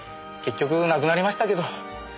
結局なくなりましたけど。